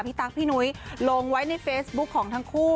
ตั๊กพี่นุ้ยลงไว้ในเฟซบุ๊คของทั้งคู่